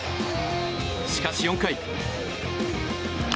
しかし、４回。